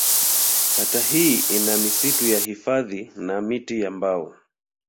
Kata hii ina misitu ya hifadhi na miti ya mbao.